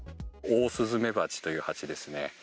オオスズメバチというハチですね。